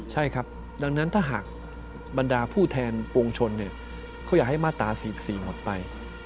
ใช่ครับดังนั้นถ้าหากบรรดาผู้แทนปวงชนเขาอยากให้มาตรา๔๔หมดไป